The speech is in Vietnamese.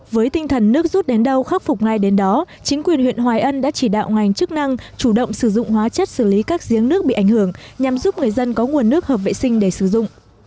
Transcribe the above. với tinh thần nước rút đến đâu khắc phục ngay đến đó chính quyền huyện hoài ân đã chỉ đạo ngành chức năng chủ động sử dụng hóa chất xử lý các giếng nước bị ảnh hưởng nhằm giúp người dân có nguồn nước hợp vệ sinh để sử dụng